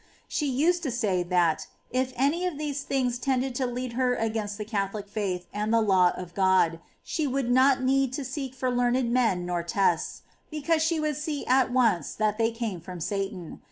15. She used to say that, if any of these things tended to lead her against the Catholic faith and the law of God, she would not need to seek for learned men nor tests, be cause she would see at once that they came from Satan.